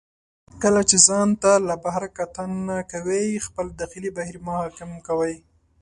کله چې ځان ته له بهر کتنه کوئ، خپل داخلي بهیر مه حاکم کوئ.